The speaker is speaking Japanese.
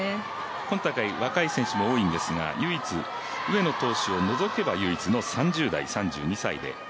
今大会、若い選手も多いんですが、唯一、上野投手を除けば唯一の３０代、３２歳で。